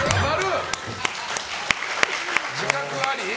○！自覚あり？